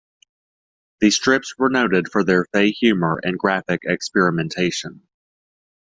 The strips were noted for their fey humor and graphic experimentation.